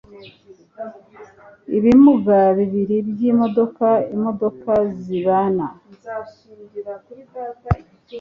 Ibimuga bibiri byimodoka imodoka zabana